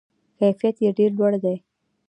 کیفیت یې ډیر لوړ دی.